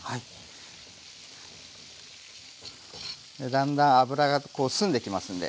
だんだん脂がこう澄んできますんで。